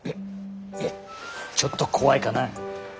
えちょっと怖いかな。